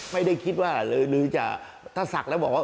ไม่ได้คิดว่าหรือจะถ้าศักดิ์แล้วบอกว่า